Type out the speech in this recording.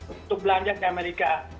untuk belanja di amerika